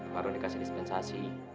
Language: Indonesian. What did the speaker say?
pak ardun dikasih dispensasi